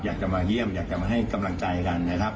อยากจะมาเยี่ยมอยากจะมาให้กำลังใจกันนะครับ